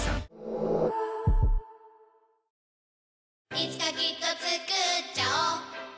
いつかきっとつくっちゃおう